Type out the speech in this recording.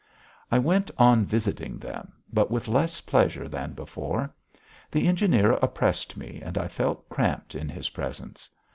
I went on visiting them, but with less pleasure than before. The engineer oppressed me and I felt cramped in his presence.